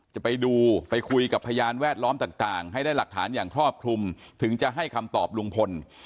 จะไปดูไปคุยกับพยานแวดล้อมต่างให้ได้หลักฐานอย่างครอบคลุมถึงจะให้คำตอบลุงพล